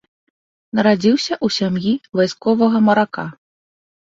Нарадзіўся ў сям'і вайсковага марака.